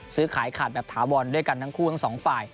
ซื้อขายขาดแบบถาวรด้วยกันทั้งคู่ทั้งสองฝ่าย